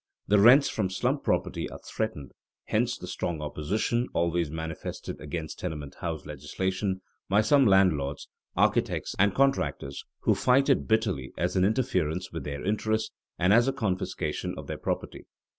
The rents from slum property are threatened; hence the strong opposition always manifested against tenement house legislation by some landlords, architects, and contractors, who fight it bitterly as an interference with their interests and as a confiscation of their property.